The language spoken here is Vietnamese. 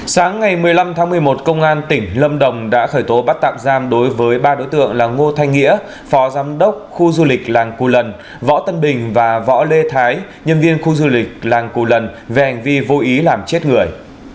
sáng ngày một mươi năm tháng một mươi một công an tỉnh lâm đồng đã khởi tố bắt tạm giam đối với ba đối tượng là ngô thanh nghĩa phó giám đốc khu du lịch làng cù lần võ tân bình và võ lê thái nhân viên khu du lịch làng cù lần về hành vi vô ý làm chết người